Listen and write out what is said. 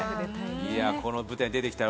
この舞台出てきたら、